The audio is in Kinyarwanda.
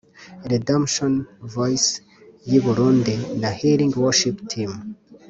Redemption voice y’i Burundi na Healing worship team